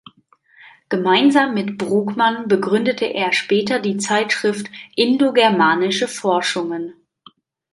Gemeinsam mit Brugmann begründete er später die Zeitschrift „Indogermanische Forschungen“.